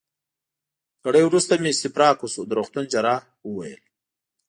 ګړی وروسته مې استفراق وشو، د روغتون جراح وویل.